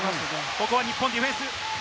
ここは日本ディフェンス。